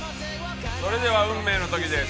それでは運命の時です。